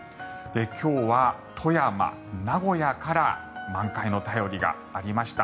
今日は富山、名古屋から満開の便りがありました。